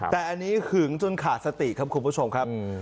แต่อันนี้หึงจนขาดสติครับคุณผู้ชมครับ